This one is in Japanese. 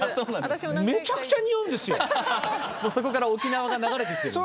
そこから沖縄が流れてきてる。